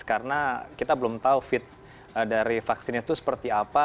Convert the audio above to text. karena kita belum tahu fit dari vaksinnya itu seperti apa